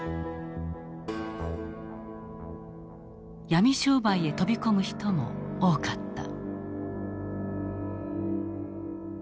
ヤミ商売へ飛び込む人も多かった。